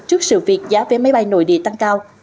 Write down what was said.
trước sự việc giá vé máy bay nội địa tăng cao